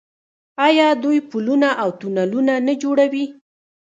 آیا دوی پلونه او تونلونه نه جوړوي؟